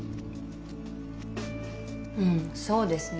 うんそうですね